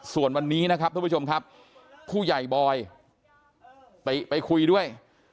ส่วนวันนี้นะครับทุกผู้ชมครับผู้ใหญ่บอยติไปคุยด้วย